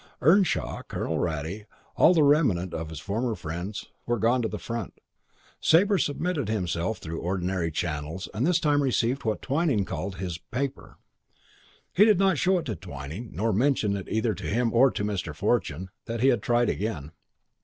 Earnshaw, Colonel Rattray, all the remnant of his former friends, were gone to the front: Sabre submitted himself through the ordinary channels and this time received what Twyning had called his "paper." He did not show it to Twyning, nor mention either to him or to Mr. Fortune that he had tried again.